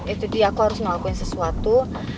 itu dia aku harus ngelakuin sesuatu